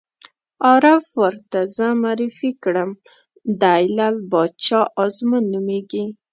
عارف ور ته زه معرفي کړم: دی لعل باچا ازمون نومېږي.